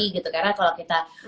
gitu karena kalau kita